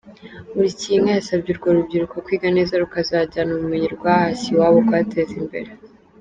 Nkulikiyinka yasabye urwo rubyiruko kwiga neza, rukazajyana ubumenyi rwahashye iwabo kuhateza imbere.